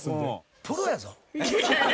プロやぞ。